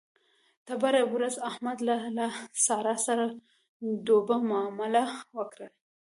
تېره ورځ احمد له له سارا سره ډوبه مامله وکړه.